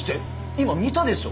今見たでしょ？